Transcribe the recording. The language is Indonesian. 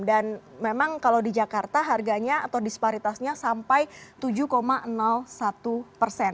dan memang kalau di jakarta harganya atau disparitasnya sampai tujuh satu persen